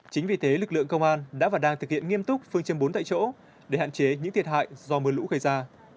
chính vì thế lực lượng công an đã và đang thực hiện nghiêm túc phương châm bốn tại chỗ để hạn chế những thiệt hại do mưa lũ gây ra